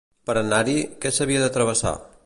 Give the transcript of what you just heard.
Per anar-hi, què s'havia de travessar?